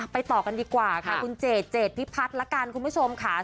ต่อกันดีกว่าค่ะคุณเจดเจดพิพัฒน์ละกันคุณผู้ชมค่ะ